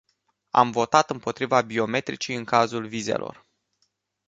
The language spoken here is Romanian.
Am votat împotriva biometricii în cazul vizelor.